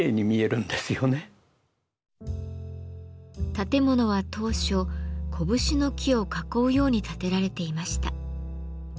建物は当初コブシの木を囲うように建てられていました。